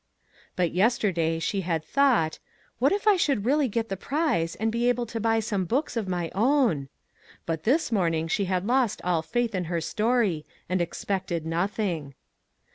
But yester day she had thought :" What if I should really get the prize and be able to buy some books of my own !" But this morning she had lost all faith in her story and expected nothing.